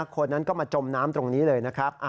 คนนั้นก็มาจมน้ำตรงนี้เลยนะครับ